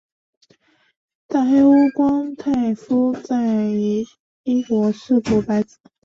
大黑屋光太夫在以伊势国白子。